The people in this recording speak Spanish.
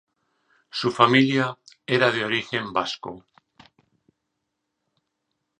Su familia era de origen vasco.